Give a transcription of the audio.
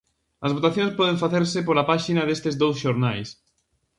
As votacións poden facerse pola páxina destes dous xornais.